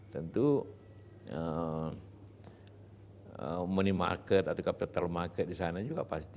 tentu minimarket atau capital market di sana juga pasti